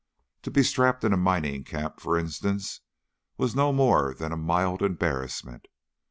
To be strapped in a mining camp, for instance, was no more than a mild embarrassment.